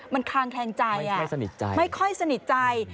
มันคางแคลงใจไม่ค่อยสนิทใจ